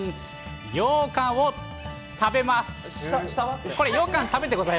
ようかんを食べます。